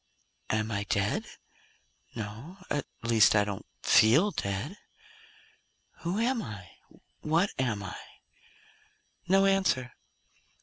"Am I dead? No. At least, I don't feel dead. Who am I? What am I?" No answer.